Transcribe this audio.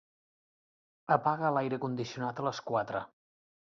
Apaga l'aire condicionat a les quatre.